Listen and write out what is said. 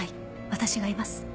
私がいます。